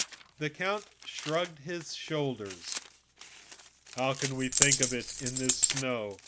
The count shrugged his shoulders. "How can you think of such a thing, in this snow?